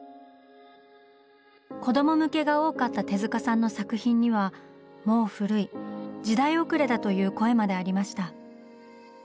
子ども向けが多かった手さんの作品には「もう古い」「時代遅れだ」という声までありました。